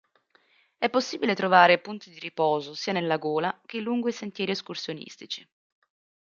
È possibile trovare punti di riposo sia nella gola che lungo i sentieri escursionistici.